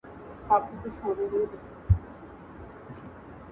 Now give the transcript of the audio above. او مستعمره ټولنو ارزښتونه سره مخ سي